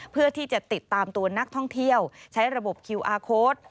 เพื่อที่จะติดตามตัวนักท่องเที่ยวใช้ระบบคิวอาร์โค้ด